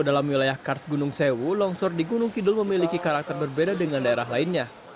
dalam wilayah kars gunung sewu longsor di gunung kidul memiliki karakter berbeda dengan daerah lainnya